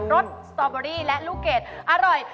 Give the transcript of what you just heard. สสตอเบอรี่และลูกเกดอร่อย